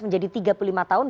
menjadi tiga puluh lima tahun